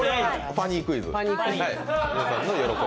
ファニークイズ。